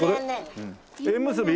縁結び？